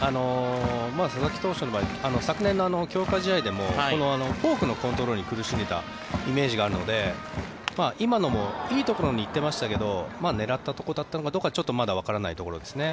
佐々木投手の場合昨年の強化試合でもフォークのコントロールに苦しんでいたイメージがあるので今のもいいところに行っていましたけど狙ったところだったのかどうかはまだわからないところですね。